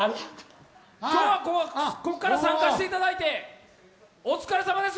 今日はこっから参加していただいて、お疲れさまです。